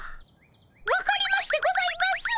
分かりましてございます！